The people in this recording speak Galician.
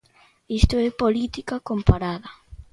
Isto é política comparada.